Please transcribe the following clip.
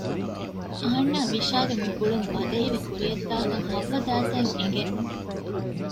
އަހަންނާ ވިޝާގެ މި ގުޅުން ބަދަހިވެ ކުރިޔަށްދާކަން ހައްވަ ދައިތައަށް އެނގެ